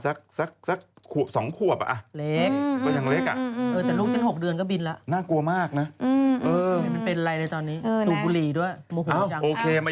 ร่างกายไม่เห็นแข็งแรงวิธีแบบ